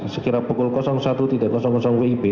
sekira pukul satu wib